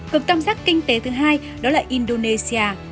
cực tam giác kinh tế thứ hai đó là indonesia